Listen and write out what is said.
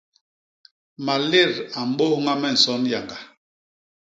Malét a mbôñha me nson yañga.